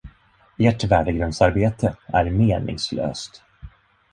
Ert värdegrundsarbete är meningslöst.